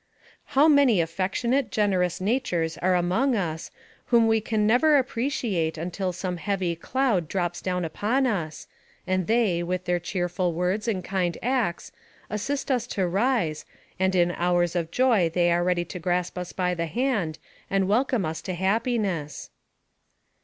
How many affectionate, generous natures are among us, whom we can never appreciate until some heavy cloud drops down upon us, and they, with their cheer 230 NARBATIVE OF CAPTIVITY ful words and kind acts, assist us to rise, and in hours of joy they are ready to grasp us by the hand, and welcome us to happiness